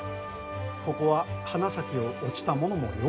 ここは花咲を落ちた者もよ